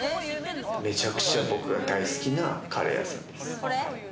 めちゃくちゃ僕が大好きなカレー屋さんです。